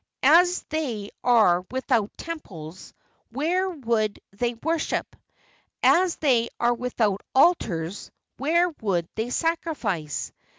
As they are without temples, where would they worship? As they are without altars, where would they sacrifice?